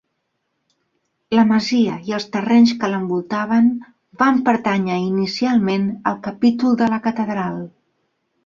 La masia i els terrenys que l'envoltaven van pertànyer inicialment al Capítol de la Catedral.